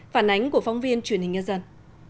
phản ánh của phóng viên truyền hình nhân dân